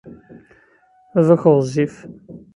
Baba-k ɣezzif.